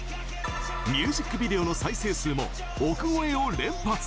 ミュージックビデオの再生数も億超えを連発！